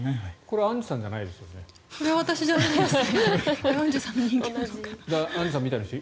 これはアンジュさんじゃないですよね？